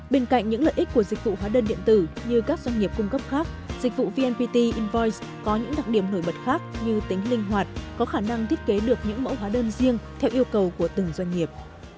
bên cạnh những lợi ích của dịch vụ hóa đơn điện tử như các doanh nghiệp cung cấp khác dịch vụ vnpt invoice có những đặc điểm nổi bật khác như tính linh hoạt có khả năng thiết kế được những mẫu hóa đơn riêng theo yêu cầu của từng doanh nghiệp